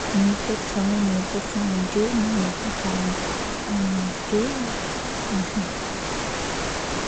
Newport শহর Newport কাউন্টির county আসন।